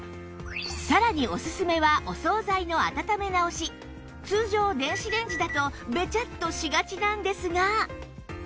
さらにおすすめは通常電子レンジだとベチャッとしがちなんですが